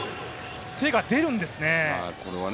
手が出るんですね。